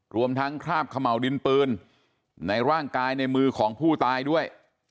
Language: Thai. รวมทั้งคราบเขม่าวดินปืนในร่างกายในมือของผู้ตายด้วย